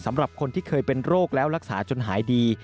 สำหรับคนที่เคยเป็นโรคแล้วรักษาจนหายดี